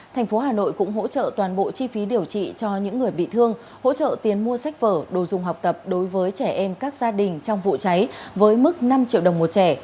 thành phố hà nội cũng hỗ trợ toàn bộ chi phí điều trị cho những người bị thương hỗ trợ tiền mua sách vở đồ dùng học tập đối với trẻ em các gia đình trong vụ cháy với mức năm triệu đồng một trẻ